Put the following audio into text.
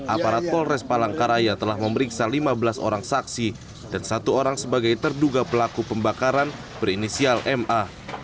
aparat polres palangkaraya telah memeriksa lima belas orang saksi dan satu orang sebagai terduga pelaku pembakaran berinisial ma